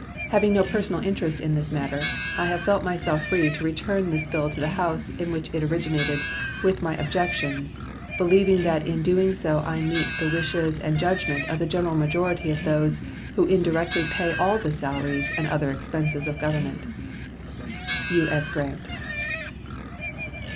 Having no personal interest in this matter, I have felt myself free to return this bill to the House in which it originated with my objections, believing that in doing so I meet the wishes and judgment of the great majority of those who indirectly pay all the salaries and other expenses of Government. U.S. GRANT.